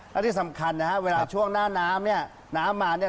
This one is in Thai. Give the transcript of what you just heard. และที่สำคัญนะฮะเวลาช่วงหน้าน้ำเนี่ยน้ำมาเนี่ย